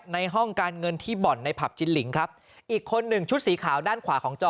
ในห้องการเงินที่บ่อนในผับจินลิงครับอีกคนหนึ่งชุดสีขาวด้านขวาของจอ